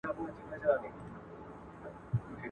دا هم د مسکو هیله وه. هغوی له احمدشاه مسعود سره یو